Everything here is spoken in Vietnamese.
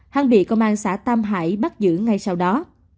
hân bị công an xã tam hải bắt giữ ngay sau đó